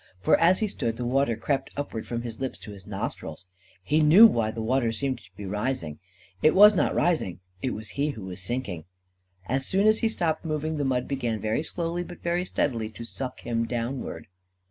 For, as he stood, the water crept upward from his lips to his nostrils. He knew why the water seemed to be rising. It was not rising. It was he who was sinking. As soon as he stopped moving, the mud began, very slowly, but very steadily, to suck him downward.